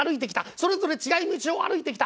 それぞれ違う道を歩いてきた。